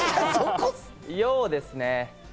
洋ですね。